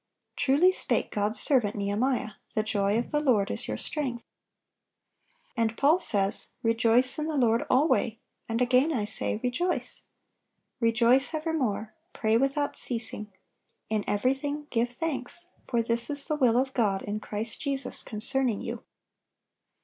(829) Truly spake God's servant Nehemiah, "The joy of the Lord is your strength."(830) And Paul says: "Rejoice in the Lord alway: and again I say, Rejoice." "Rejoice evermore. Pray without ceasing. In everything give thanks: for this is the will of God in Christ Jesus concerning you."